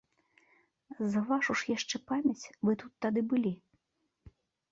За вашу ж яшчэ памяць, вы тут тады былі.